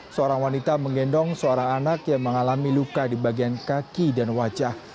seorang wanita menggendong seorang anak yang mengalami luka di bagian kaki dan wajah